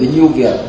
cái tính du viện